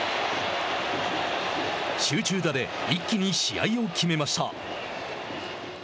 集中打で一気に試合を決めました。